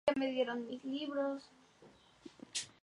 Esto convenció a Scott, quien lo contrató.